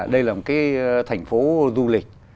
đây là một cái thành phố du lịch